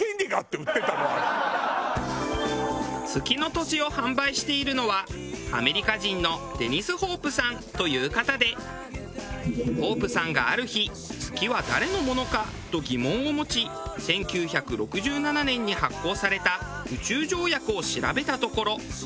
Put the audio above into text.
月の土地を販売しているのはアメリカ人のデニス・ホープさんという方でホープさんがある日月は誰のものかと疑問を持ち１９６７年に発効された宇宙条約を調べたところ。